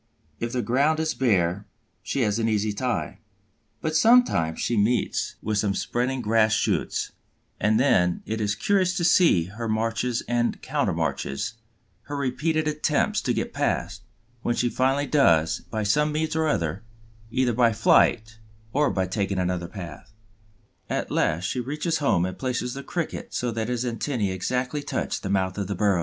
If the ground is bare, she has an easy time; but sometimes she meets with some spreading grass shoots, and then it is curious to see her marches and countermarches, her repeated attempts to get past, which she finally does by some means or other, either by flight or by taking another path. At last she reaches home and places the Cricket so that his antennæ exactly touch the mouth of the burrow.